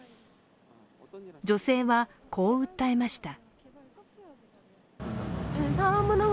女性はこう訴えました。